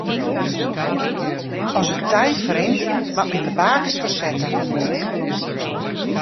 As it tij ferrint moat men de beakens fersette.